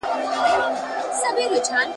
متضررې کورنۍ د مال په بدل کې سوله وکړه.